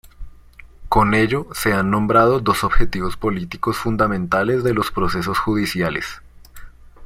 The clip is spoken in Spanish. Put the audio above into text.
Con ello se han nombrado dos objetivos políticos fundamentales de los procesos judiciales.